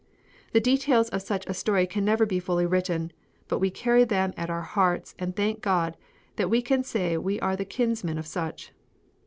The details of such a story can never be fully written, but we carry them at our hearts and thank God that we can say we are the kinsmen of such.